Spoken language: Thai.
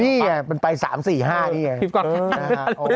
นี่อย่างนี้เป็นไป๓๔๕นี่อย่างนี้